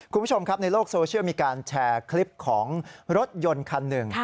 คุณผู้ชมครับในโลกโซเชียลมีการแชร์คลิปของรถยนต์คันหนึ่ง